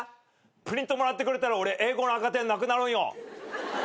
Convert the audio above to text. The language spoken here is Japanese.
プリントもらってくれたら俺英語の赤点なくなるんよ。